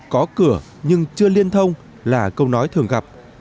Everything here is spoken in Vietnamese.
có cửa nhưng chưa liên thông là câu nói thường gặp